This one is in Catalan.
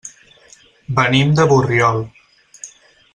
Venim de Borriol.